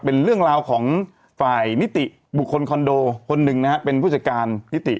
เป็นเรื่องราวของฝ่ายนิติบุคคลคอนโดคนหนึ่งนะฮะเป็นผู้จัดการนิติ